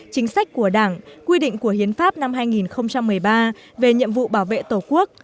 chính sách của đảng quy định của hiến pháp năm hai nghìn một mươi ba về nhiệm vụ bảo vệ tổ quốc